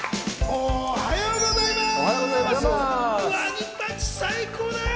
おはようございます！